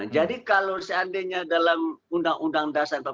jadi kalau seandainya dalam undang undang dasar